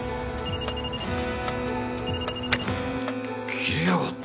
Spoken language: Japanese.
切りやがった。